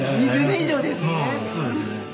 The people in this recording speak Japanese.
２０年以上ですね。